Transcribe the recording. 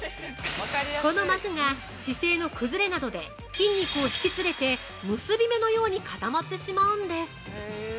この膜が姿勢の崩れなどで筋肉を引きつれて結び目のように固まってしまうんです。